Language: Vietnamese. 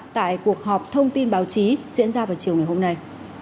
tại cuộc họp thông tin báo chí diễn ra vào chiều ngày hôm nay